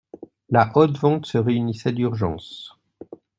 La Haute Vente se réunissait d'urgence.